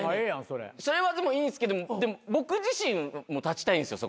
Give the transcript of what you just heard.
それはでもいいんすけどでも僕自身も立ちたいんすよ